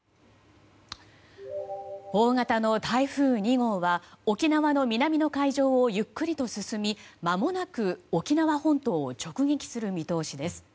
大型の台風２号は沖縄の南の海上をゆっくりと進みまもなく沖縄本島を直撃する見通しです。